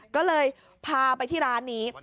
ก็เลยพาไปที่ร้านนี้